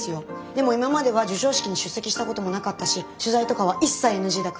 でも今までは授賞式に出席したこともなかったし取材とかは一切ＮＧだから。